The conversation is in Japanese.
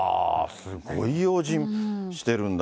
すごい用心してるんだ。